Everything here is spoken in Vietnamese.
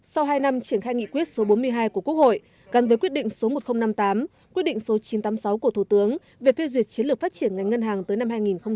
sau hai năm triển khai nghị quyết số bốn mươi hai của quốc hội gắn với quyết định số một nghìn năm mươi tám quyết định số chín trăm tám mươi sáu của thủ tướng về phê duyệt chiến lược phát triển ngành ngân hàng tới năm hai nghìn ba mươi